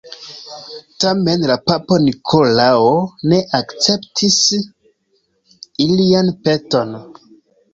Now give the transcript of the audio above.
Tamen la papo Nikolao ne akceptis ilian peton.